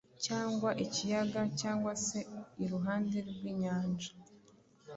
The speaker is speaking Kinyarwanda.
cyangwa ikiyaga, cyangwa se iruhande rw’inyanja.